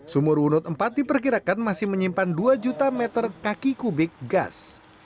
sumur wunut empat diperkirakan masih menyimpan dua juta meter kaki kubik gas